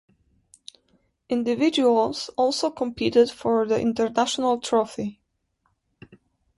Individuals also competed for the International Trophy.